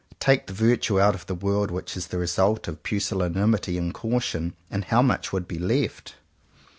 Take the virtue out of the world which is the result of pusillanimity and caution, and how much would be left?